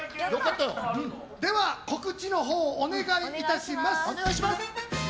では、告知のほうお願いします。